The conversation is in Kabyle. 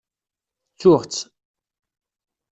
Ttuɣ-tt.